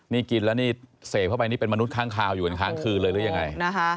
นี่กินแล้วนี่เสพเข้าไปนี่เป็นมนุษยค้างคาวอยู่เป็นค้างคืนเลยหรือยังไง